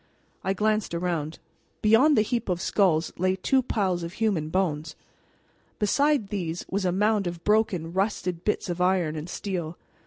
I glanced around. Beyond the heap of skulls lay two piles of human bones. Beside these was a mound of broken, rusted bits of iron and steel.